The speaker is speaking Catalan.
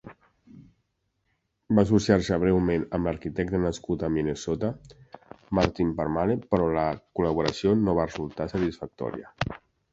Va associar-se breument amb l'arquitecte nascut a Minnesota, Martin Parmalee, però la col·laboració no va resultar satisfactòria.